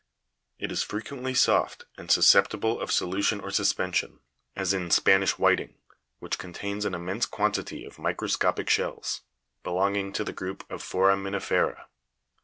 It is fre quently soft, and susceptible of solution or suspension, as in Spa nish whiting, which contains an immense quantity of microscopic shells, belonging to the group of foraminifera.